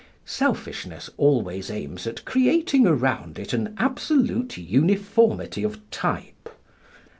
Selfishness always aims at creating around it an absolute uniformity of type.